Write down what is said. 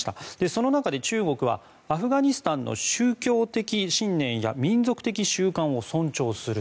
その中で、中国はアフガニスタンの宗教的信念や民族的習慣を尊重する。